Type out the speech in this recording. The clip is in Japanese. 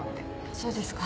そうですか。